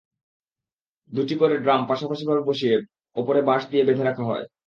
দুটি করে ড্রাম পাশাপাশিভাবে বসিয়ে ওপরে বাঁশ দিয়ে বেঁধে রাখা হয়।